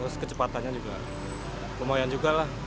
terus kecepatannya juga lumayan juga lah